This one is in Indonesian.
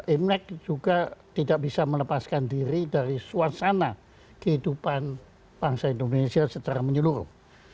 imlek juga tidak bisa melepaskan diri dari suasana kehidupan bangsa indonesia secara menyeluruh